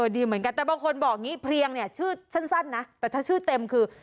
แต่บางคนบอกอย่างนี้เพลียงชื่อสั้นนะแต่ถ้าชื่อเต็มคือ